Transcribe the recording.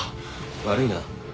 悪いな。